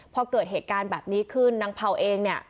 พอเกิดเหตุการณ์แบบนี้ขึ้นนางเผาเองเนี่ย